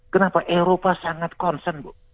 kenapa eropa sangat concern bu